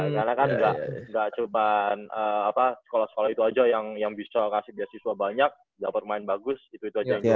karena kan ga cobaan apa sekolah sekolah itu aja yang bisa kasih beasiswa banyak dapat main bagus itu aja yang suara